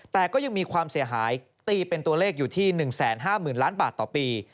แต่ก็ยังมีความเสียหายตีเป็นตัวเลขอยู่ที่๑๕๐๐๐ล้านบาทต่อปี